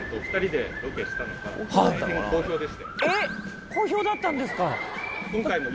えっ好評だったんですか！